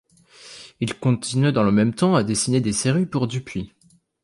Il continue dans le même temps à dessiner des séries pour Dupuis.